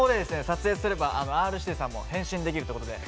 撮影すればＲ‐指定さんも変身できるってことで。